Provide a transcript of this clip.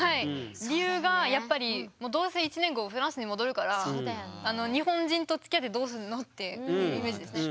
理由がやっぱりもうどうせ１年後フランスに戻るから日本人とつきあってどうするの？っていうイメージですね。